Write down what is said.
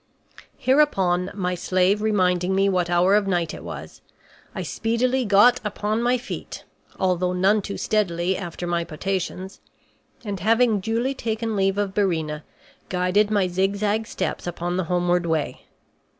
Hereupon, my slave reminding me what hour of night it was, I speedily got upon my feet, although none too steadily after my potations, and, having duly taken leave of Byrrhæna, guided my zigzag steps upon the homeward way.